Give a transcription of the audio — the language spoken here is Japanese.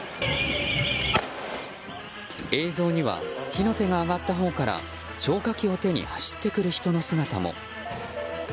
映像には火の手が上がったほうから消火器を手に走ってくる人の姿も。